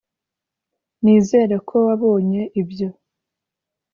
nizere ko wabonye ibyo.